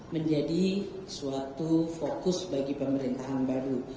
menjadi suatu fokus bagi pemerintahan baru